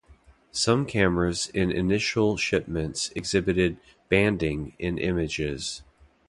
Some cameras in initial shipments exhibited "banding" in images.